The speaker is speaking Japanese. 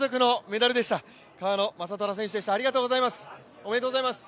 おめでとうございます。